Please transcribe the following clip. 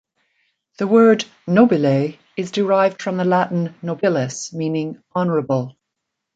The word "nobile" is derived from the Latin "nobilis", meaning "honourable".